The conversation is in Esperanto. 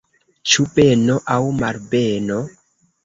Ĉu beno aŭ malbeno?